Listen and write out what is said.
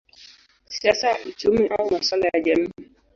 siasa, uchumi au masuala ya jamii.